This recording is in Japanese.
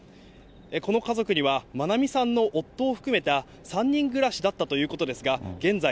この家族には、まなみさんの夫を含めた３人暮らしだったということですが、現在、